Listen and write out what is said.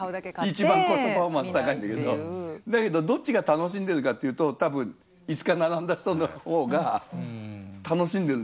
一番コストパフォーマンス高いんだけどだけどどっちが楽しんでるかっていうと多分５日並んだ人の方が楽しんでるんですよね。